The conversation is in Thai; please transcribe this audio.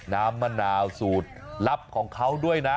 มะนาวสูตรลับของเขาด้วยนะ